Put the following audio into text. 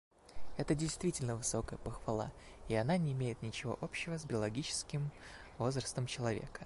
Это действительно высокая похвала, и она не имеет ничего общего с биологическим возрастом человека.